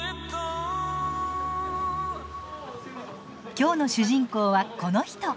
今日の主人公はこの人。